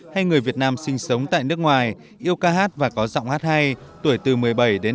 hay người việt nam sinh sống tại nước ngoài yêu ca hát và có sọng hát hay tuổi từ một mươi bảy đến hai mươi bảy